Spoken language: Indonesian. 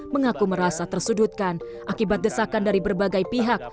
mengaku merasa tersudutkan akibat desakan dari berbagai pihak